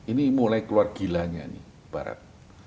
ini mulai keluar gilanya nih barat